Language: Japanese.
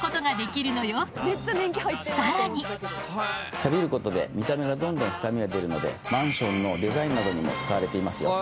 サビることで見た目がどんどん深みが出るのでマンションのデザインなどにも使われていますよ。